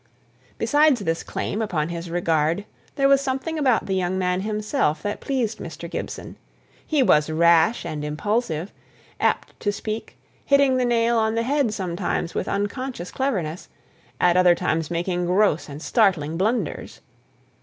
Besides this claim upon his regard, there was something about the young man himself that pleased Mr. Gibson. He was rash and impulsive, apt to speak, hitting the nail on the head sometimes with unconscious cleverness, at other times making gross and startling blunders.